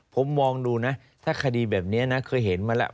ผมมองดูนะถ้าคดีแบบนี้นะเคยเห็นมาแล้ว